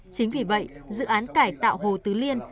chính vì vậy dự án cải tạo hồ tứ liên